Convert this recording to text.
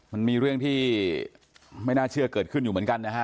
มันมีเรื่องที่ไม่น่าเชื่อเกิดขึ้นอยู่เหมือนกันนะฮะ